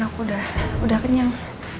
aku udah kenyang